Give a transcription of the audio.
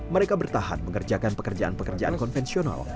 mereka bertahan mengerjakan pekerjaan pekerjaan konvensional